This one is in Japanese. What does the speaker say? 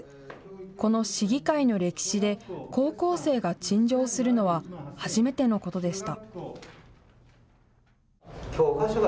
この市議会の歴史で、高校生が陳情するのは初めてのことでした。